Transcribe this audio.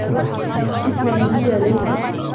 اسمعِ لي يا ليلى.